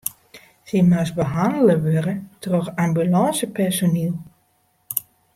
Sy moast behannele wurde troch ambulânsepersoniel.